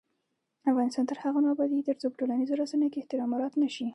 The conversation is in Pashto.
افغانستان تر هغو نه ابادیږي، ترڅو په ټولنیزو رسنیو کې احترام مراعت نشي.